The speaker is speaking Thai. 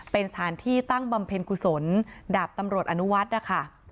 เป็นสถานที่ตั้งบำเพ็ญกุศลดาบตำรวจอนุวัฒน์นะคะ